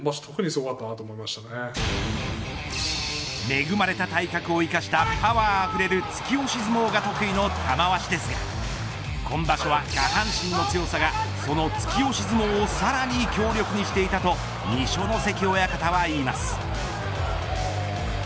恵まれた体格を生かしたパワーあふれる突き押し相撲が得意の玉鷲ですが今場所は下半身の強さがその突き押し相撲をさらに強力にしていたと二所ノ関親方は言います。